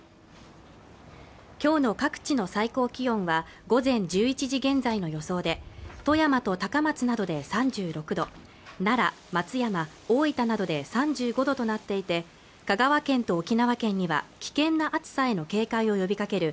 今日の各地の最高気温は午前１１時現在の予想で富山と高松などで３６度奈良松山大分などで３５度となっていて香川県と沖縄県には危険な暑さへの警戒を呼びかける